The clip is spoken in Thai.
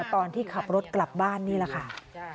ตอนที่ขับรถกลับบ้านนี่แหละค่ะ